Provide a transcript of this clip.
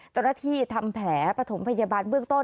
ทำแผลประถมพยาบาลเบื้องต้น